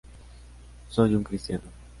Yo soy un cristiano.